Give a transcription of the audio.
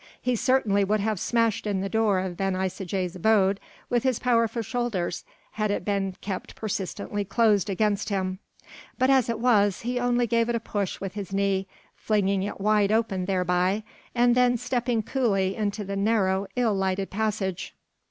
He certainly would have smashed in the door of Ben Isaje's abode with his powerful shoulders had it been kept persistently closed against him; but as it was, he only gave it a push with his knee, flinging it wide open thereby, and then stepped coolly into the narrow ill lighted passage.